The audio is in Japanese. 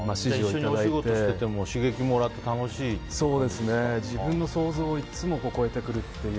一緒にお仕事してても刺激がもらえて自分の想像をいつも超えてきますね。